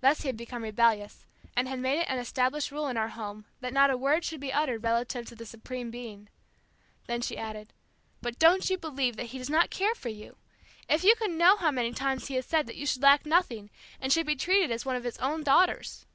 Thus he had become rebellious, and had made it an established rule in our home that not a word should be uttered relative to the Supreme Being. Then she added, "But don't you believe that he does not care for you! If you could know how many times he has said that you should lack nothing and should be treated as one of his own daughters."